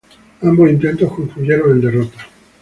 Ambos intentos concluyeron en derrotas.